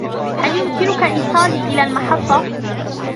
هل يمكنك إيصالي إلى المحطة ؟